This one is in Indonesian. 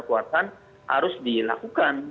kekuatan harus dilakukan